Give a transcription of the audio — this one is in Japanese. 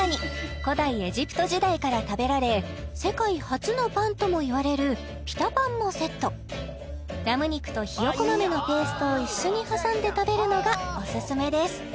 古代エジプト時代から食べられ世界初のパンともいわれるピタパンもセットラム肉とひよこ豆のペーストを一緒に挟んで食べるのがオススメです